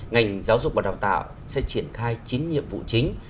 ngành giáo dục và đào tạo sẽ triển khai chín nhiệm vụ chính